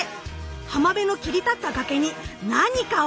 浜辺の切り立った崖に何かを発見！